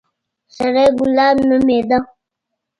سړى ګلاب نومېده.